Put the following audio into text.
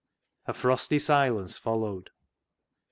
A frosty silence followed.